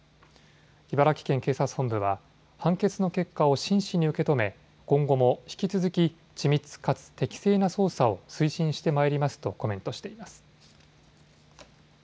茨城県警察本部は判決の結果を真摯に受け止め今後も引き続き緻密かつ適正な捜査を推進してまいりますとコメントしています。